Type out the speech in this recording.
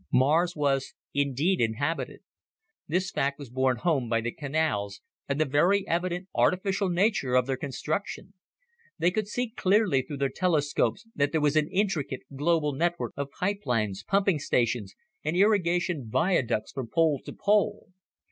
Mars was indeed inhabited. This fact was borne home by the canals and the very evident artificial nature of their construction. They could see clearly through their telescopes that there was an intricate global network of pipelines, pumping stations, and irrigation viaducts from pole to pole.